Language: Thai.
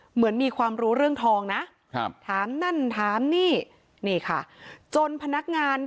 เหมือนมีความรู้เรื่องทองนะถามนั่นถามนี่นี่ค่ะจนพนักงาน